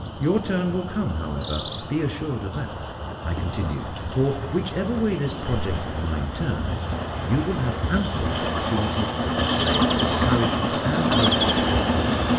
"Your turn will come, however, be assured of that," I continued; "for, whichever way this project of mine turns, you will have ample opportunity for the display of both courage and helpfulness.